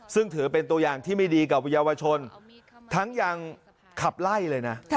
ซึ่งถือเป็นตัวอย่างที่ไม่ดีกับเยาวชนทั้งยังขับไล่เลยนะ